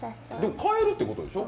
買えるってことでしょう？